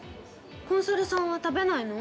コンサルさんは食べないの？